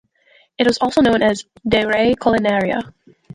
It is also known as "De re culinaria".